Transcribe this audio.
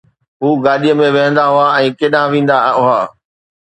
هو گاڏيءَ ۾ ويهندا هئا ۽ ڪيڏانهن ويندا هئا.